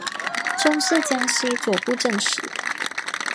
终仕江西左布政使。